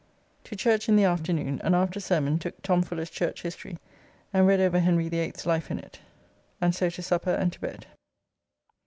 To church in the afternoon, and after sermon took Tom Fuller's Church History and read over Henry the 8th's life in it, and so to supper and to bed.